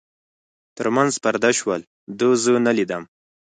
تر منځ پرده شول، ده زه نه لیدم.